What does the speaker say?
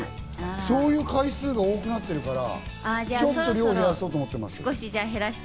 そういう回数が多くなってるから、少し減らそうと思っています。